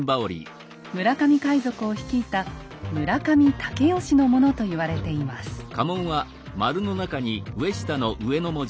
村上海賊を率いた村上武吉のものと言われています。